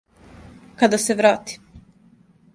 Када се врати.